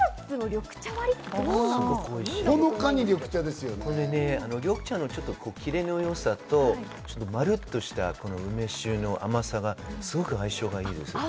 緑茶のキレのよさと、まるっとした梅酒の甘さがすごく相性いいですね。